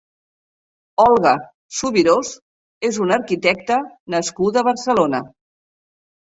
Olga Subirós és una arquitecta nascuda a Barcelona.